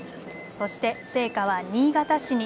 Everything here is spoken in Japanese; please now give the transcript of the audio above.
そして聖火は新潟市に。